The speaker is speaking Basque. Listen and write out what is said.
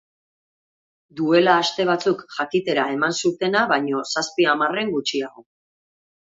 Duela aste batzuk jakitera eman zutena baino zazpi hamarren gutxiago.